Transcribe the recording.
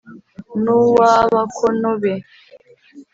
n 'uw abakóno be